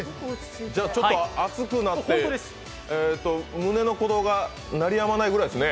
暑くなって胸の鼓動が鳴りやまないぐらいですね。